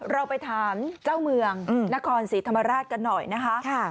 เราไปถามเจ้าเมืองนครศรีธรรมราชกันหน่อยนะคะ